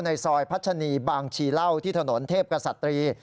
ในซอยพัชนีบางชีเหล้าที่ถนนเทพกษัตรี